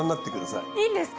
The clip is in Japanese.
いいんですか？